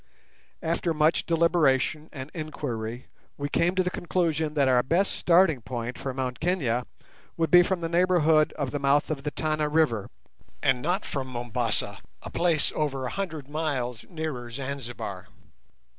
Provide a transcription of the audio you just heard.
After much deliberation and inquiry we came to the conclusion that our best starting point for Mt Kenia would be from the neighbourhood of the mouth of the Tana River, and not from Mombassa, a place over 100 miles nearer Zanzibar.